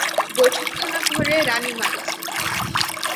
বৈঠকখানা-ঘরে রানীমা আছেন।